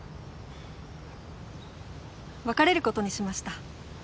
別れることにしました。